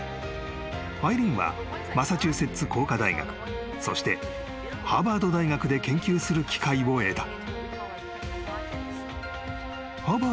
アイリーンはマサチューセッツ工科大学そしてハーバード大学で研究する機会を得た］